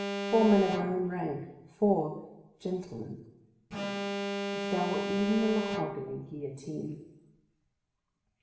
— four men of our own rank, — four " gentlemen !" If there were even a mahogany Guillotine